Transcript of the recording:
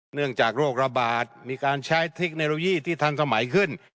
เนื่องจากโรคระบาดมีการใช้เทคโนโลยีที่ทันสมัยขึ้น